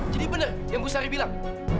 jadi bener yang gue selalu bilang